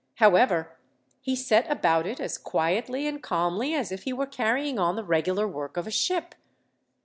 However, he set about it as quietly and calmly as if he were carrying on the regular work of a ship.